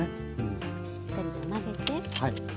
しっかりと混ぜて。